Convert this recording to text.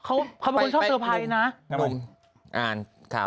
อ้าวเป็นคนชอบเซอร์ไพรซ์นะ